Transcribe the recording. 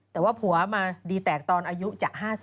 แต่ว่าผัวมาดีแตกตอนอายุจะ๕๐